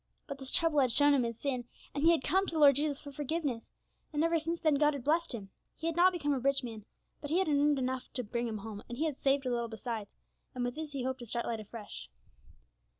But this trouble had shown him his sin, and he had come to the Lord Jesus for forgiveness, and ever since then God had blessed him. He had not become a rich man, but he had earned enough to bring him home, and he had saved a little besides, and with this he hoped to start life afresh.